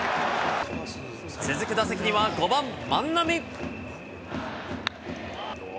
続く打席には５番万波。